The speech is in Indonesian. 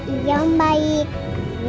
iya mbak i